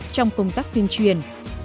trong công tác tuyên truyền